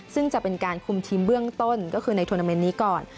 ซึ่งจะเป็นการคุมทีมเบื้องต้นก็คือในทวนาเมนต์นี้ก่อน